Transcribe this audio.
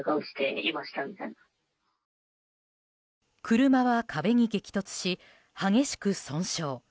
車は壁に激突し激しく損傷。